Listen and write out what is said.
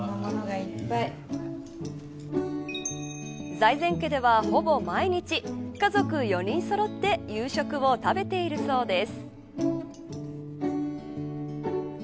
財前家では、ほぼ毎日家族４人そろって夕食を食べているそうです。